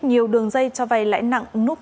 nhiều đường dây cho vay lãi nặng nút